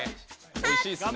おいしいっすね